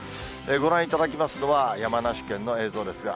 ご覧いただきますのは、山梨県の映像ですが。